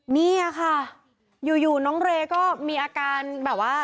นี่ค่ะอยู่น้องเรย์ก็มีอาการแบบว่า